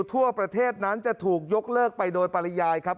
ทั่วประเทศนั้นจะถูกยกเลิกไปโดยปริยายครับ